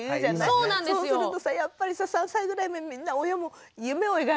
そうするとやっぱりさ３歳ぐらいでみんな親も夢を描くからね。